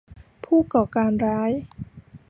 ผู้ก่อการร้าย